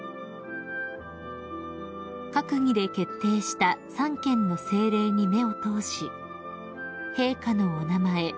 ［閣議で決定した３件の政令に目を通し陛下のお名前